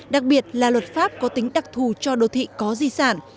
đặc biệt là luật pháp có tính đặc thù cho đô thị có di sản